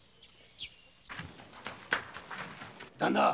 旦那。